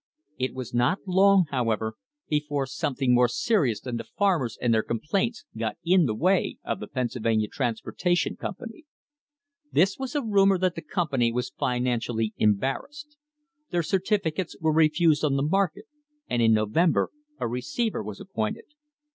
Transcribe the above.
It was not long, however, before something more serious than the farmers and their complaints got in the way of the Pennsylvania Transportation Company. This was a rumour that the company was financially embarrassed. Their certifi cates were refused on the market, and in November a receiver was appointed.